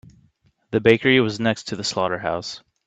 The bakery was next to the slaughterhouse.